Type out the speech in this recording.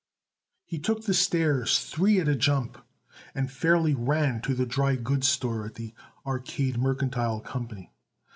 He took the stairs three at a jump and fairly ran to the dry goods store of the Arcade Mercantile Company.